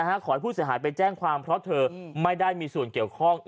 ขอให้ผู้เสียหายไปแจ้งความเพราะเธอไม่ได้มีส่วนเกี่ยวข้อง